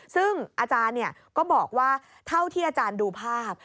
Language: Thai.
ซึ่งอาจารย์ก็บอกว่าเท่าที่อาจารย์ดูภาพ